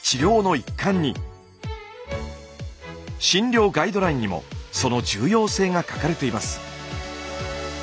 診療ガイドラインにもその重要性が書かれています。